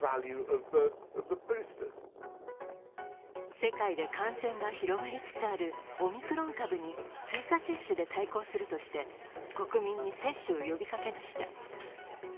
世界で感染が広がりつつあるオミクロン株に追加接種で対抗するとして国民に接種を呼びかけました。